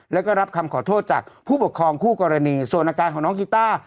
แล้วก็รับคำขอโทษจากผู้ปกครองคู่กรณีส่วนอาการของน้องกีต้า